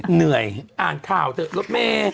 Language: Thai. เหนื่อยอ่านข่าวเถอะกับแม่